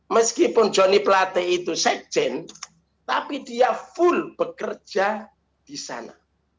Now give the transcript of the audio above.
meskipun joni plate itu sekjen tapi dia full bekerja di sana